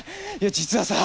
実はさあ。